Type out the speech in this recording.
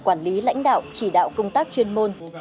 quản lý lãnh đạo chỉ đạo công tác chuyên môn